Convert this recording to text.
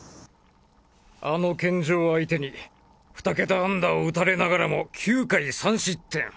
あの健丈相手に２ケタ安打を打たれながらも９回３失点。